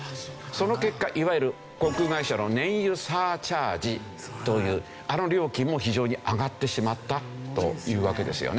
その結果いわゆる航空会社の燃油サーチャージというあの料金も非常に上がってしまったというわけですよね。